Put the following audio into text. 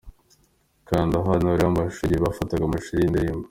Kanda hano urebe amashusho y'igihe bafataga amashusho iy'iyi ndirimbo.